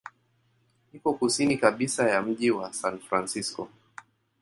Iko kusini kabisa ya mji wa San Francisco.